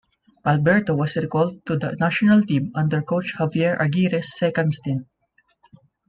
Alberto was recalled to the national team under coach Javier Aguirre's second stint.